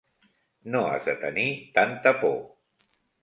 No has de tenir tanta por.